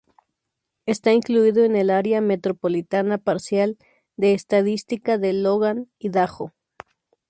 Está incluido en el área metropolitana parcial de estadística de Logan-Idaho.